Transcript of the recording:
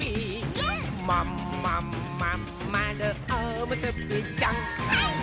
「まんまんまんまるおむすびちゃん」はいっ！